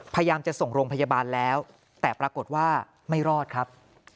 พยายามจะส่งโรงพยาบาลแล้วแต่ปรากฏว่าไม่รอดครับ